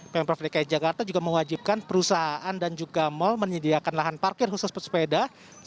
pemprov dki jakarta juga mewajibkan perusahaan dan juga mal menyediakan lahan parkir khusus pesepeda